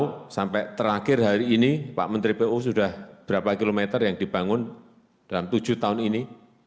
itu sampai terakhir hari ini pak menteri pu sudah berapa kilometer yang dibangun dalam tujuh tahun ini